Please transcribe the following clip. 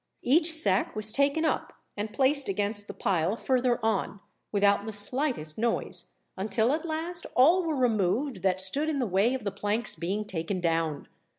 Each sack was taken up, and placed against the pile further on, without the slightest noise, until at last all were removed that stood in the way of the planks being taken down.